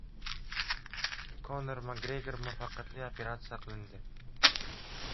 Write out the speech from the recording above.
Konor Makgregor muvaffaqiyatli operasiya qilindi